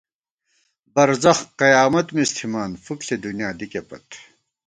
برزَخ قیامت مِز تھِمان ، فُک ݪی دُنیا دِکےپت